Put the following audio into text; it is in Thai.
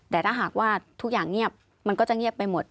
แต่ถ้าหากว่าทุกอย่างเงียบมันก็จะเงียบไปหมด